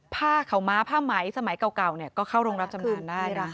ผ้าขาวม้าผ้าไหมสมัยเก่าก็เข้าโรงรับจำนำได้